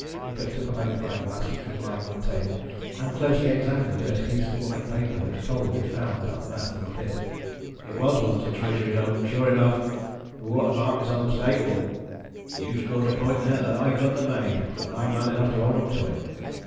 He picked up a magnifying glass which was lying on the table, and closely examined the dirty piece of white paper which Colwyn had found at the mouth of the pit. "It was once a Treasury note, sure enough the watermark is unmistakable. You've scored a point there that I couldn't have made, and I'm man enough to own up to it.